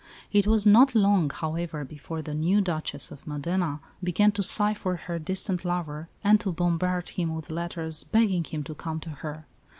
It was not long, however, before the new Duchess of Modena began to sigh for her distant lover, and to bombard him with letters begging him to come to her.